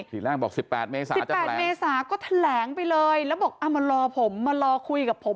ที่แรกบอก๑๘เมษาจะแถลงแล้วบอกมารอผมมารอคุยกับผม